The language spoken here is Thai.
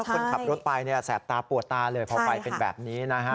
คนขับรถไปเนี่ยแสบตาปวดตาเลยพอไฟเป็นแบบนี้นะฮะ